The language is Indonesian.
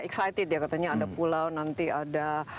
excited ya katanya ada pulau nanti ada